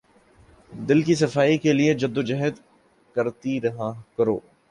دل کی صفائی کے لیے جد و جہد کرتے رہا کرو